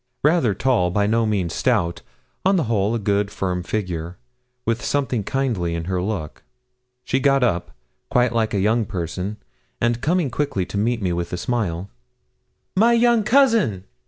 Rather tall, by no means stout, on the whole a good firm figure, with something kindly in her look. She got up, quite like a young person, and coming quickly to meet me with a smile 'My young cousin!'